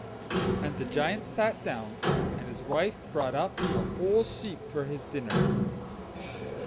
And the Giant sat down, and his wife brought up a whole sheep for his dinner.